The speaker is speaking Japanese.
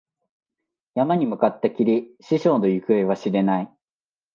山に向かったきり、師匠の行方は知れない。